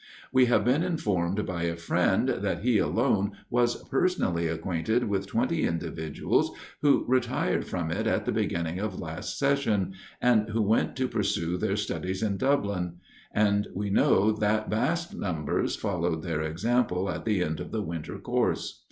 We have been informed by a friend, that he alone was personally acquainted with twenty individuals who retired from it at the beginning of last session, and who went to pursue their studies at Dublin, and we know that vast numbers followed their example at the end of the winter course.